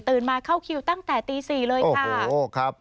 มาเข้าคิวตั้งแต่ตี๔เลยค่ะ